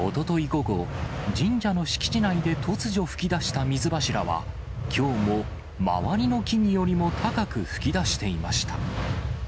午後、神社の敷地内で突如、噴き出した水柱は、きょうも周りの木々よりも高く噴き出していました。